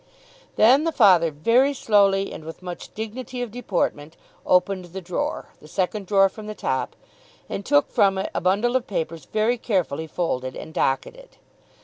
Then the father very slowly, and with much dignity of deportment, opened the drawer, the second drawer from the top, and took from it a bundle of papers very carefully folded and docketed.